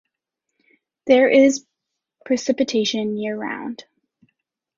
There is precipitation year-round.